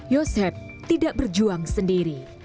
yosef tidak berjuang sendiri